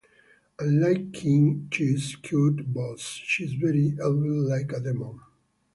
Unlike Kim Chi's cute boss, she's very evil like a demon.